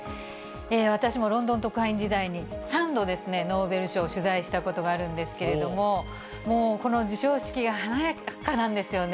私もロンドン特派員時代に、３度ですね、ノーベル賞、取材したことがあるんですけれども、もうこの授賞式が華やかなんですよね。